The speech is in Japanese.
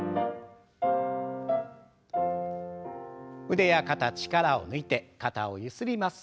腕や肩力を抜いて肩をゆすります。